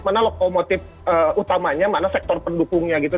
mana lokomotif utamanya mana sektor pendukungnya gitu